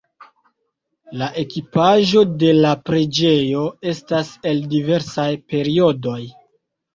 La ekipaĵo de la preĝejo estas el diversaj periodoj.